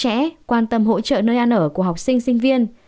trẻ quan tâm hỗ trợ nơi ăn ở của học sinh sinh viên